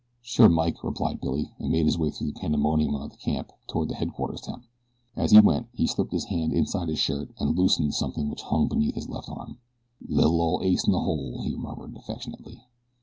"Sure Mike!" replied Billy, and made his way through the pandemonium of the camp toward the headquarters tent. As he went he slipped his hand inside his shirt and loosened something which hung beneath his left arm. "Li'l ol' ace in the hole," he murmured affectionately.